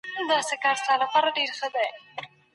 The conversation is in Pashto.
ولسي جرګه تل د غونډو له لاري ستونزي حل کوي.